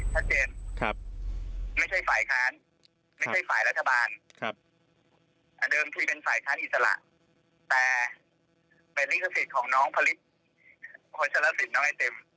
พักขนาดเล็กสิทธิ์น้องไอ้เต็ม